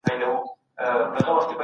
د انسان مقام د پرشتو له مقام څخه جګ دی.